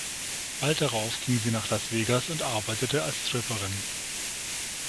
Bald darauf ging sie nach Las Vegas und arbeitete als Stripperin.